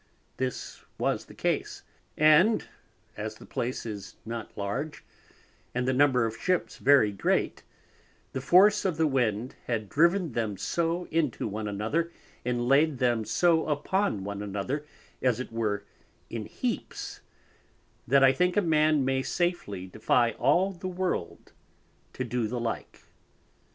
This was the Case, and as the Place is not large, and the Number of Ships very great, the force of the Wind had driven them so into one another, and laid them so upon one another as it were in heaps, that I think a Man may safely defy all the World to do the like.